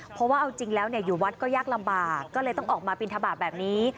เพราะว่าเอาจริงแล้วอยู่วัดก็ยากลำบากก็เลยต้องออกมาบินทบาทแบบนี้